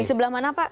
di sebelah mana pak